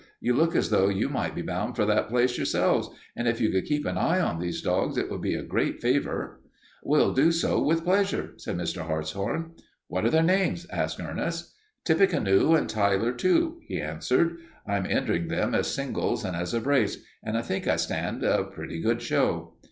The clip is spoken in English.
You look as though you might be bound for that place yourselves, and if you could keep an eye on these dogs it would be a great favor." "We'll do so with pleasure," said Mr. Hartshorn. "What are their names?" asked Ernest. "Tippecanoe and Tyler Too," he answered. "I'm entering them as singles and as a brace, and I think I stand a pretty good show."